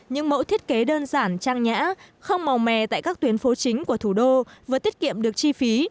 những mẫu thiết kế đơn giản trang nhã không màu mè tại các tuyến phố chính của thủ đô vừa tiết kiệm được chi phí